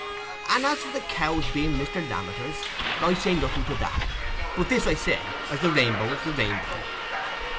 And as for the cow's being Mr. Lammeter's, I say nothing to that; but this I say, as the Rainbow's the Rainbow.